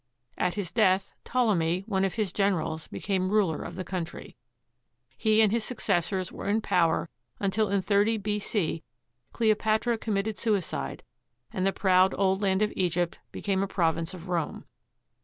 At his death, Ptolemy, one of his generals, became ruler of the country. He and his successors were in power until, in 30 B.C., Cleo patra committed suicide, and the proud old land of Egypt became a pro\ ince of Rome.